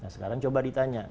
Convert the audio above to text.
sekarang coba ditanya